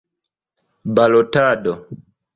balotado